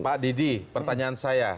pak didi pertanyaan saya